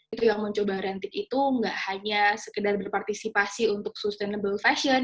itu yang mencoba ranting itu nggak hanya sekedar berpartisipasi untuk sustainable fashion